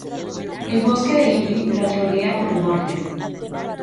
El bosque de Ivry las rodea por el norte.